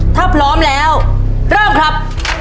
ถ้าพร้อมแล้วเริ่มครับ